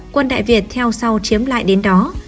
quân đại việt theo sau chiếm lại đến đó